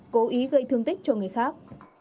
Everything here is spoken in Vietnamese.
cố ý gây thương tích cho người khác